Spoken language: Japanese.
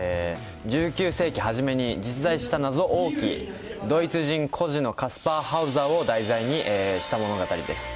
１９世紀初めに、実在した謎多きドイツ人孤児のカスパー・ハウザーを題材にした物語です。